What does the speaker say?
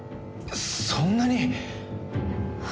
そんなに？